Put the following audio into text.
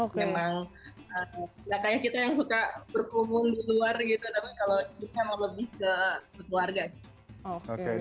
memang gak kayak kita yang suka berhubung di luar gitu tapi kalau hidupnya memang lebih ke keluarga